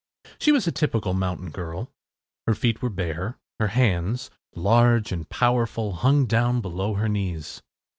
She was a typical mountain girl. Her feet were bare. Her hands, large and powerful, hung down below her knees.